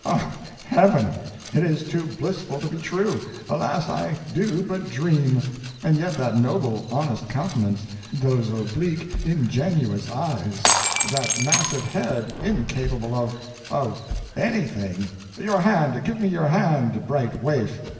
Ah, Heaven! it is too blissful to be true—alas, I do but dream. And yet that noble, honest countenance—those oblique, ingenuous eyes—that massive head, incapable of—of—anything; your hand; give me your hand, bright waif.